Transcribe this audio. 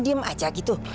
diam aja gitu